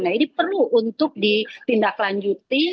nah ini perlu untuk ditindaklanjuti